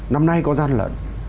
năm nay có gian lận